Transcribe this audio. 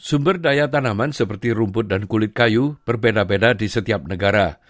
sumber daya tanaman seperti rumput dan kulit kayu berbeda beda di setiap negara